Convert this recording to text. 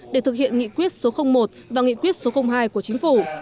để thực hiện nghị quyết số một và nghị quyết số hai của chính phủ